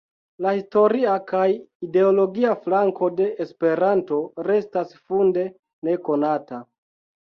La historia kaj ideologia flanko de Esperanto restas funde nekonata.